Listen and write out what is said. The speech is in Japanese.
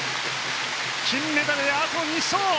金メダルへ、あと２勝！